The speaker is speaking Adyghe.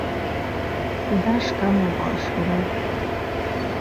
Сыда шкӏэм ебгъэшхырэр?